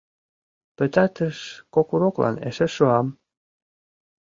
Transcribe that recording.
Пытартыш кок уроклан эше шуам.